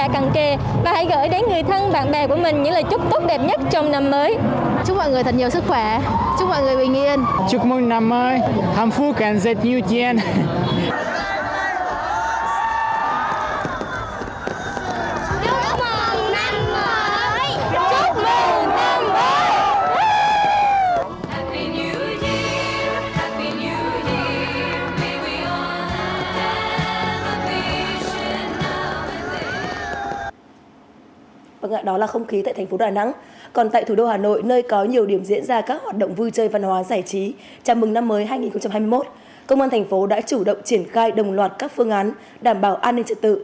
công an thành phố đã chủ động triển khai đồng loạt các phương án đảm bảo an ninh trực tự